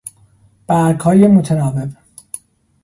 برگهای متناوب